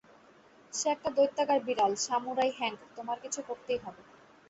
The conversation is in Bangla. সে একটা দৈত্যাকার বিড়াল, সামুরাই হ্যাংক, তোমার কিছু করতেই হবে।